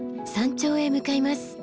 山頂へ向かいます。